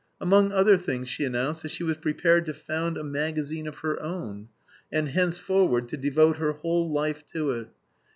Among other things she announced that she was prepared to found a magazine of her own, and henceforward to devote her whole life to it.